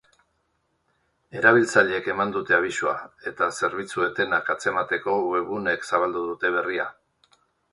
Erabiltzaileek eman dute abisua, eta zerbitzu etenak atzemateko webguneek zabaldu dute berria.